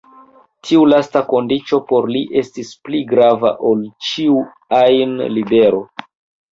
Tiu lasta kondiĉo por li estas pli grava ol ĉiu ajn libero.